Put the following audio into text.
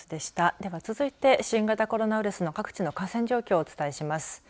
では続いて新型コロナウイルスの各地の感染状況をお伝えします。